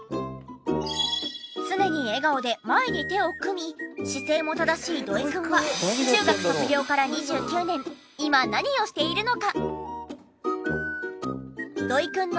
常に笑顔で前に手を組み姿勢も正しい土井くんは中学卒業から２９年今何をしているのか？